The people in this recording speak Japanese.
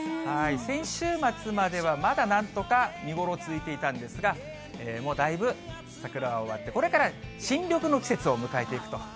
先週末まではまだなんとか見頃続いていたんですが、もうだいぶ、桜は終わって、これから新緑の季節を迎えていくと。